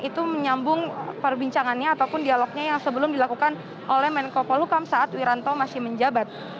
itu menyambung perbincangannya ataupun dialognya yang sebelum dilakukan oleh menko polukam saat wiranto masih menjabat